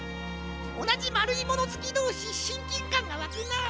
おなじまるいものずきどうししんきんかんがわくな。